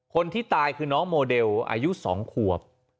คนที่ตายคือน้องโมเดลอายุ๒ขวบ